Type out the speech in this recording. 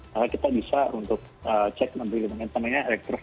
maka kita bisa untuk check nanti dengan namanya elektrofisi